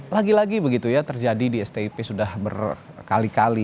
lagi lagi begitu ya terjadi di stip sudah berkali kali